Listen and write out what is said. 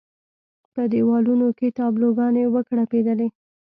په دېوالونو کې تابلو ګانې وکړپېدلې.